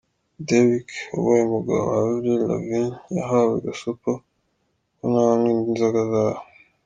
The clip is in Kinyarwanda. Deryck wabaye umugabo wa Avril Lavigne yahawe gasopo ko nanywa indi nzoga azapfa.